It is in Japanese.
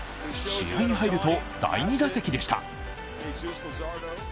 試合に入ると第２打席でした。